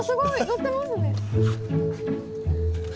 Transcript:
乗ってますね。